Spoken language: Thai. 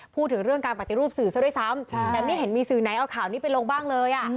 พูดถึงเรื่องการปฏิรูปสื่อซะด้วยซ้ำแต่ไม่เห็นมีสื่อไหนเอาข่าวนี้ไปลงบ้างเลย